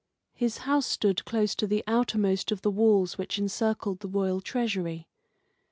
His house stood close to the outermost of the walls which encircled the royal treasury.